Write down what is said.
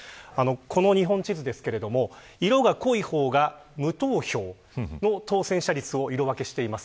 この日本地図ですが色が濃い方が無投票の当選者率を色分けしています。